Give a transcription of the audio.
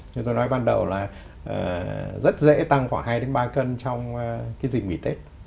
như tôi nói ban đầu là rất dễ tăng khoảng hai ba cân trong cái dịp nghỉ tết